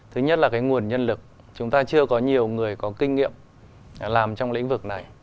thứ nhất là cái nguồn nhân lực chúng ta chưa có nhiều người có kinh nghiệm làm trong lĩnh vực này